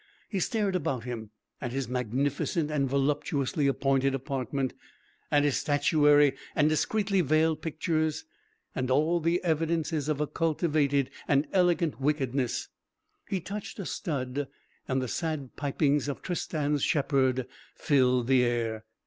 He stared about him, at his magnificent and voluptuously appointed apartment, at his statuary and discreetly veiled pictures, and all the evidences of a cultivated and elegant wickedness; he touched a stud and the sad pipings of Tristan's shepherd filled the air.